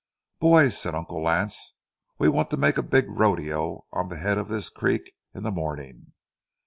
"Boys," said Uncle Lance, "we want to make a big rodeo on the head of this creek in the morning.